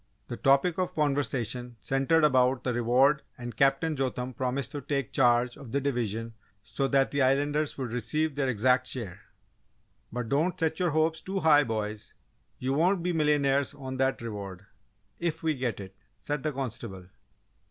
The topic of conversation centred about the reward and Captain Jotham promised to take charge of the division so that the Islanders would receive their exact share. "But don't set your hopes too high, boys you won't be millionaires on that reward if we get it!" said the constable.